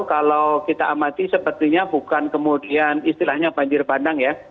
kalau kita amati sepertinya bukan kemudian istilahnya banjir bandang ya